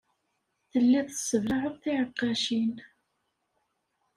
Telliḍ tesseblaɛeḍ tiɛeqqacin.